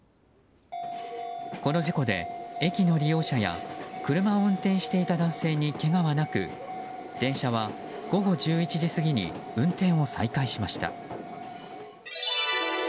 この事故で、駅の利用者や車を運転していた男性にけがはなく電車は午後１１時過ぎに運転を再開しました。